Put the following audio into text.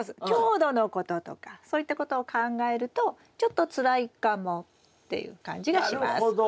強度のこととかそういったことを考えるとちょっとつらいかもっていう感じがします。